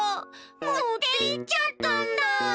もっていっちゃったんだ。